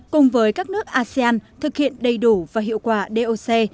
cùng với các nước asean thực hiện đầy đủ và hiệu quả doc